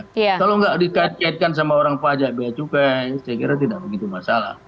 kalau nggak dikait kaitkan sama orang pajak biaya cukai saya kira tidak begitu masalah